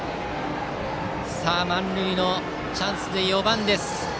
満塁のチャンスで４番です。